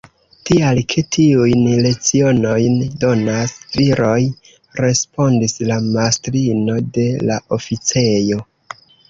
Tial, ke tiujn lecionojn donas viroj, respondis la mastrino de la oficejo.